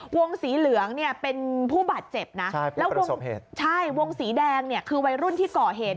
วงสีเหลืองเป็นผู้บัดเจ็บนะใช่วงสีแดงคือวัยรุ่นที่ก่อเหตุ